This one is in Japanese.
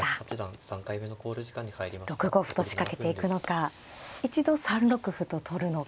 ６五歩と仕掛けていくのか一度３六歩と取るのか。